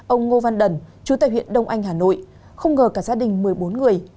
ông ngô văn đẩn chú tại huyện đông anh hà nội không ngờ cả gia đình một mươi bốn người